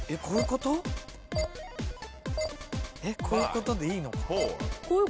こういうことでいいのか？